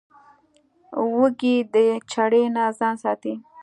وزې د چړې نه ځان ساتي